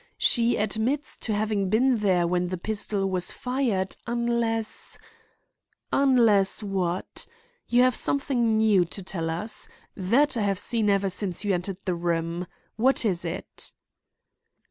She admits to having been there when the pistol was fired, unless—" "Unless what? You have something new to tell us. That I have seen ever since you entered the room. What is it?"